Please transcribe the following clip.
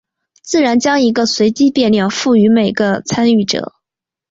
自然将一个随机变量赋予每个参与者。